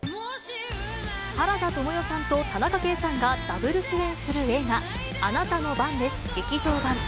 原田知世さんと田中圭さんがダブル主演する映画、あなたの番です劇場版。